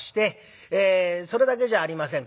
それだけじゃありません。